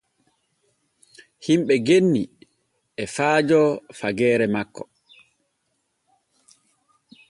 Himɓe genni e faajo fageere makko.